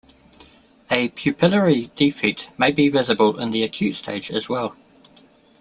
A pupillary defect may be visible in the acute stage as well.